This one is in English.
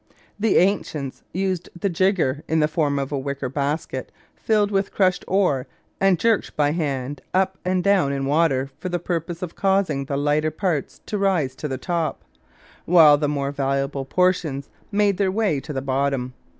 The ancients used the jigger in the form of a wicker basket filled with crushed ore and jerked by hand up and down in water for the purpose of causing the lighter parts to rise to the top, while the more valuable portions made their way to the bottom.